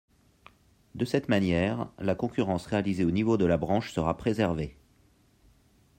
De cette manière, la concurrence réalisée au niveau de la branche sera préservée.